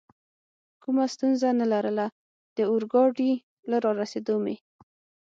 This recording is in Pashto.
کومه ستونزه نه لرله، د اورګاډي له رارسېدو مې.